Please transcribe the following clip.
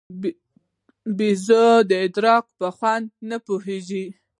بېزو د ادرک په خوند نه پوهېږي.